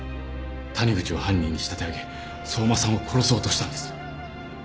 谷口を犯人に仕立て上げ相馬さんを殺そうとしたんです